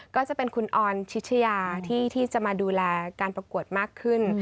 ก็จะเป็นคุณออนชิชยาที่จะมาดูแลการประกวดมากขึ้น